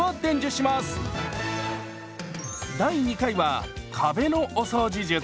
第２回は壁のお掃除術。